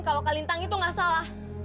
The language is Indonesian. kalau kak kalintang itu gak salah